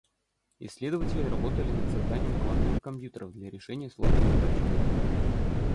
Исследователи работали над созданием квантовых компьютеров для решения сложных задач.